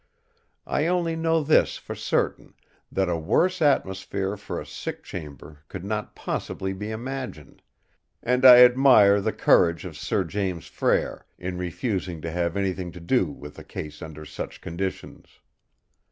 I only know this for certain, that a worse atmosphere for a sick chamber could not possibly be imagined; and I admire the courage of Sir James Frere in refusing to have anything to do with a case under such conditions.